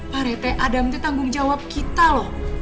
pak rete adem tuh tanggung jawab kita loh